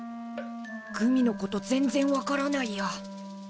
グミのこと全然分からないや。